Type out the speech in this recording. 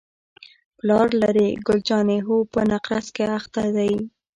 پلار لرې؟ ګل جانې: هو، په نقرس اخته دی.